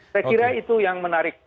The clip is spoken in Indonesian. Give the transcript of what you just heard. saya kira itu yang menarik